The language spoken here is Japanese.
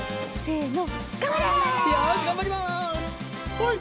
はい！